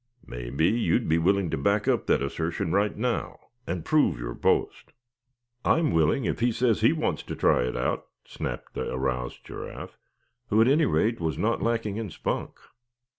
"Mebbe, you'd be willing to back up that assertion right now, and prove your boast?" "I'm willing, if he says he wants to try it out!" snapped the aroused Giraffe, who at any rate was not lacking in spunk.